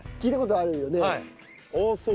ああそう？